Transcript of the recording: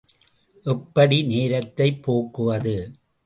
எப்படி நேரத்தைப் போக்குவது?